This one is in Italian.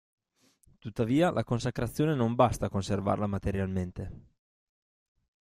Tuttavia la consacrazione non basta a conservarla materialmente.